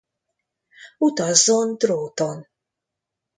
Utazzon dróton!